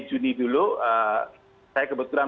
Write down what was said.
juni dulu saya kebetulan